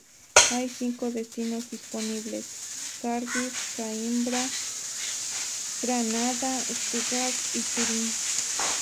Hay cinco destinos disponibles: Cardiff, Coímbra, Granada, Stuttgart y Turín.